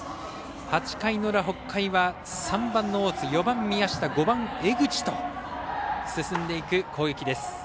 ８回の裏、北海は３番の大津４番、宮下５番、江口と進んでいく攻撃です。